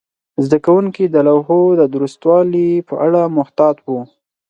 زده کوونکي د لوحو د درستوالي په اړه محتاط وو.